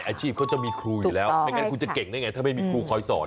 อาชีพเขาจะมีครูอยู่แล้วไม่งั้นคุณจะเก่งได้ไงถ้าไม่มีครูคอยสอน